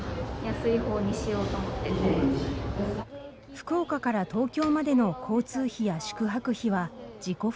福岡から東京までの交通費や宿泊費は自己負担。